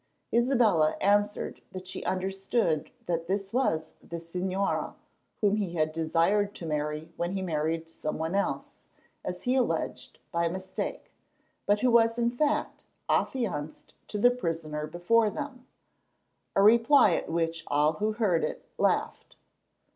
Isabella answered that she understood that this was the señora whom he had desired to marry when he married some one else, as he alleged by mistake, but who was in fact affianced to the prisoner before them; a reply at which all who heard it laughed.